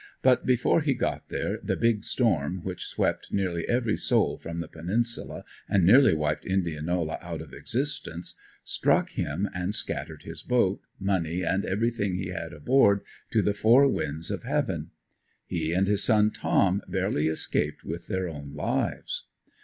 But before he got there the "big" storm, which swept nearly every soul from the Peninsula and nearly wiped Indianola out of existence, struck him and scattered his boat, money and everything he had aboard to the four winds of Heaven. He and his son "Tom" barely escaped with their own lives.